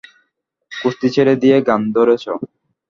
কুস্তি ছেড়ে দিয়ে গান ধরেছ?